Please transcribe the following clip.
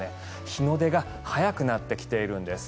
日の出が早くなってきているんです。